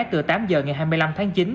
từ tám h ngày hai mươi năm tháng chín